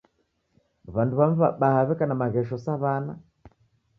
W'andu w'amu w'abaha w'eka na maghesho sa w'ana